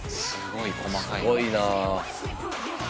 すごいな。